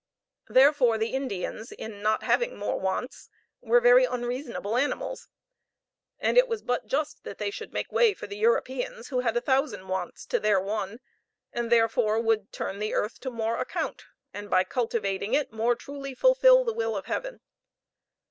Therefore the Indians, in not having more wants, were very unreasonable animals; and it was but just that they should make way for the Europeans, who had a thousand wants to their one, and, therefore, would turn the earth to more account, and by cultivating it more truly fulfil the will of Heaven.